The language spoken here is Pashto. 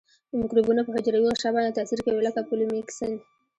د مکروبونو په حجروي غشا باندې تاثیر کوي لکه پولیمیکسین.